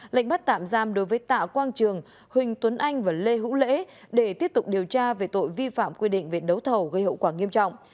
lệnh bắt tạm giam đối với tạ quang trường huỳnh tuấn anh và lê hữu lễ để tiếp tục điều tra về tội vi phạm quy định về đấu thầu gây hậu quả nghiêm trọng